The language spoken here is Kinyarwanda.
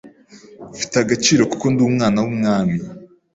Mfite agaciro kuko ndi umwana w’Umwami.